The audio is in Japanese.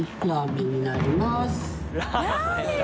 ラーメンだ。